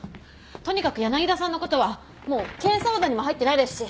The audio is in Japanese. とにかく柳田さんのことはもう検査オーダーにも入ってないですし